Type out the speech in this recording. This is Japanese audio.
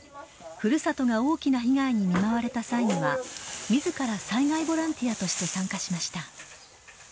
ふるさとが大きな被害に見舞われた際には、みずから災害ボランティアとして参加しました。